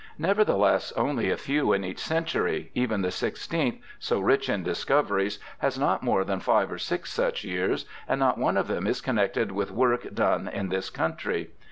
Nevertheless, only a few in each centur}' ; even the sixteenth, so rich in discoveries, has not more than five or six such years, and not one of them is connected with work done in ^ Edited by Professor Venvorn. HARVEY 311 this country.